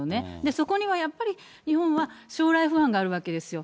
そこにはやっぱり、日本は将来不安があるわけですよ。